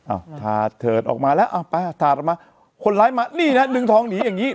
อ้าวถาดเถิดออกมาแล้วเอาไปถาดออกมาคนร้ายมานี่นะดึงทองหนีอย่างนี้